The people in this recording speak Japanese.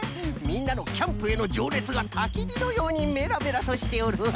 みんなのキャンプへのじょうねつがたきびのようにメラメラとしておるわ。